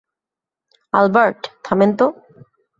Albert, থামেন তো।